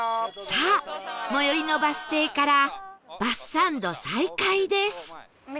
さあ最寄りのバス停からバスサンド再開です